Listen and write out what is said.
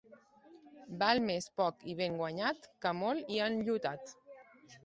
Val més poc i ben guanyat que molt i enllotat.